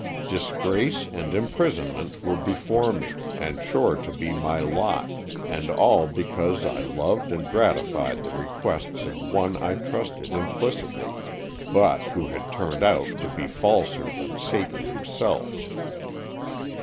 Disgrace and im prisonment were before me and sure to 33 Stories from the Adirondack^. be my lot, and all because I loved and gratified the requests of one I trusted implicitly, but who had turned out to be falser than Satan himself.